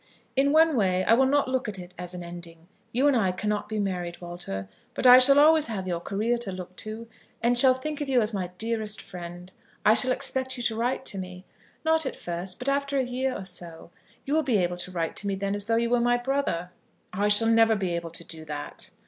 "In one way I will not look on it as an ending. You and I cannot be married, Walter; but I shall always have your career to look to, and shall think of you as my dearest friend. I shall expect you to write to me; not at first, but after a year or so. You will be able to write to me then as though you were my brother." "I shall never be able to do that."